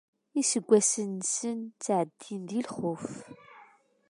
Iseggasen-nsen ttɛeddin di lxuf.